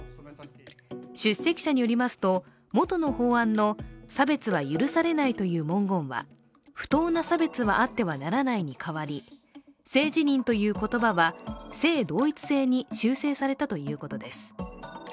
出席者によりますと元の法案の差別は許されないという文言は不当な差別はあってはならないに変わり性自認という言葉は性同一性に修正されたということです。